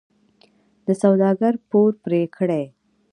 د سوداګر پور پرې کړي.